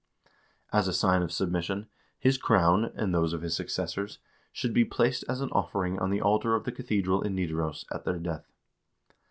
2 As a sign of submission, his crown, and those of his successors, should be placed as an offering on the altar of the cathedral in Nidaros, at their death.